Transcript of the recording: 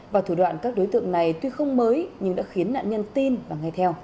và thủ đoạn các đối tượng này tuy không mới nhưng đã khiến nạn nhân tin và nghe theo